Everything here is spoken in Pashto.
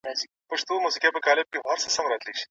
په لاس لیکل د معلوماتو د خپلولو غوره لاره ده.